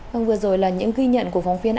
vâng vừa rồi là những ghi nhận của phóng viên